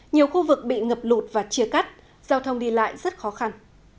nhiều khu vực bị ngập lụt và chia cắt giao thông đi lại rất khó khăn